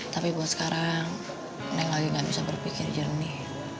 tapi buat sekarang neng lagi gak bisa berpikir jernih